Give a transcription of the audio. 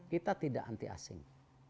kita tidak anti asing